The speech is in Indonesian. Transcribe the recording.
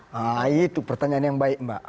nah itu pertanyaan yang baik mbak